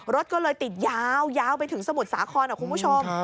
รถก็เลยติดยาวยาวไปถึงสมุทรสาครคุณผู้ชม